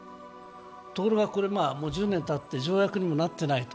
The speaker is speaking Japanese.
ところが、もう１０年たって条約にもなっていない